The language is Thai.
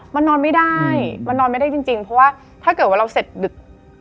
มันนอนไม่ได้มันนอนไม่ได้จริงเพราะว่าถ้าเกิดว่าเราเสร็จดึก